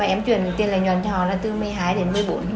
em chuyển tiền lợi nhuận cho họ là từ một mươi hai đến một mươi bốn